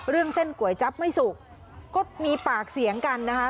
เส้นก๋วยจั๊บไม่สุกก็มีปากเสียงกันนะคะ